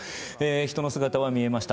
人の姿が見えました。